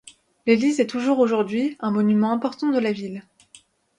L'église est toujours aujourd'hui un monument important de la ville.